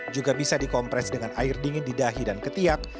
juga bisa dikompres dengan air dingin di dahi dan ketiak